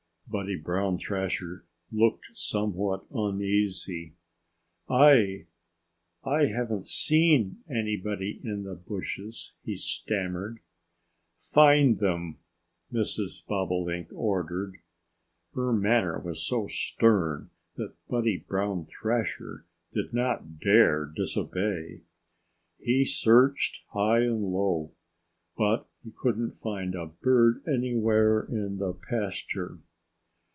Buddy Brown Thrasher looked somewhat uneasy. "I I haven't seen anybody in the bushes," he stammered. "Find them!" Mrs. Bobolink ordered. Her manner was so stern that Buddy Brown Thrasher did not dare disobey. He searched high and low. But he couldn't find a bird anywhere in the pasture.